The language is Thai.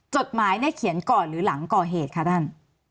จดหมายเนี่ยเขียนก่อนหรือหลังก่อเหตุคะท่าน